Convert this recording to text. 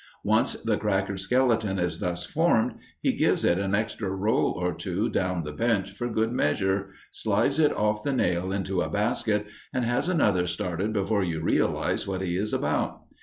Once the cracker skeleton is thus formed, he gives it an extra roll or two down the bench for good measure, slides it off the nail into a basket, and has another started before you realize what he is about.